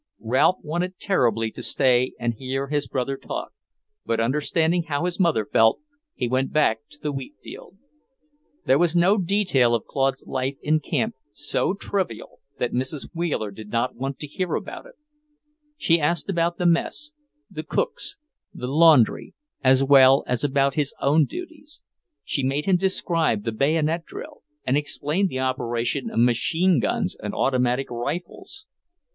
Ralph wanted terribly to stay and hear his brother talk, but understanding how his mother felt, he went back to the wheat field. There was no detail of Claude's life in camp so trivial that Mrs. Wheeler did not want to hear about it. She asked about the mess, the cooks, the laundry, as well as about his own duties. She made him describe the bayonet drill and explain the operation of machine guns and automatic rifles.